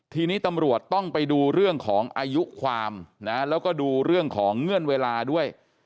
ทีนี้ตำรวจต้องไปดูเรื่องของอายุความนะแล้วก็ดูเรื่องของเงื่อนเวลาด้วย